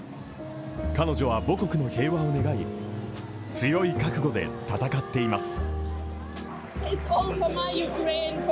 彼女は母国の平和を願い強い覚悟で戦っています。